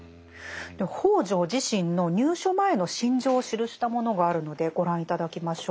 北條自身の入所前の心情を記したものがあるのでご覧頂きましょう。